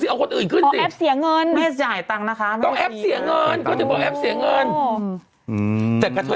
ส่วนตกครึ่งนี้ดีกันเล่นมากนะ